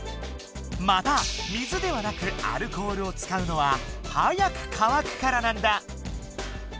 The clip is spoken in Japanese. また水ではなくアルコールを使うのは早く乾くからなんだ。